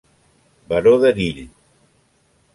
Baró d'Erill.